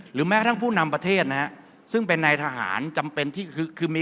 แม้กระทั่งผู้นำประเทศนะฮะซึ่งเป็นนายทหารจำเป็นที่คือคือมี